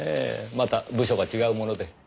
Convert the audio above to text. また部署が違うもので。